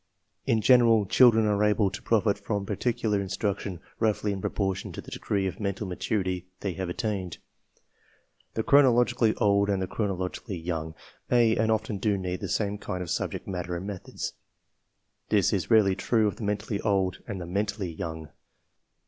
In general, children are able to profit from particular IngSi lrtion roughly inproportion to the degree of mental maturfiT^h eyTEave attained. v The chronologically old and the cSonoIdgically young may and often do need the same kind of subject matter and methods. This is rarely true of the mentally old and the mentally young.